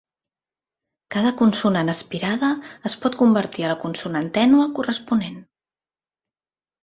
Cada consonant aspirada es pot convertir a la consonant tènue corresponent.